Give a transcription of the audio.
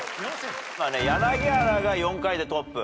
柳原が４回でトップ。